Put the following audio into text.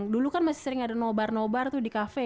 dulu kan masih sering ada nobar nobar tuh di cafe